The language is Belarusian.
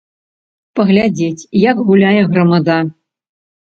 Паглядзець, як гуляе грамада.